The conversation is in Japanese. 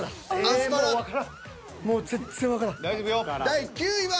第９位は。